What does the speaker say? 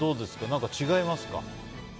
何か違いますか？